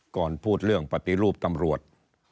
ก่อนพูดเรื่องปฏิรูปตำรวจ